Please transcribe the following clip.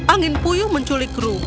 angin puyuh menculik ruru